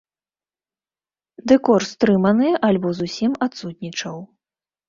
Дэкор стрыманы альбо зусім адсутнічаў.